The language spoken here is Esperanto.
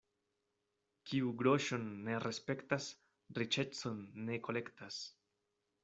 Kiu groŝon ne respektas, riĉecon ne kolektas.